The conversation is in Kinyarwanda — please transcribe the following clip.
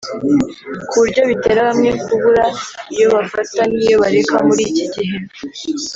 ku buryo bitera bamwe kubura iyo bafata n’iyo bareka muri iki gihe